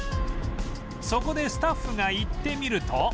そこでスタッフが行ってみると